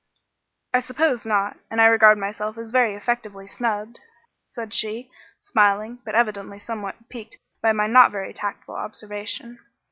"I suppose not; and I regard myself as very effectively snubbed," said she, smiling, but evidently somewhat piqued by my not very tactful observation.